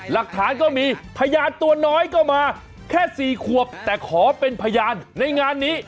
หลักฐานก็มีพยานตัวน้อยก็มาแค่๔ขวบแต่ขอเป็นพยานในงานนี้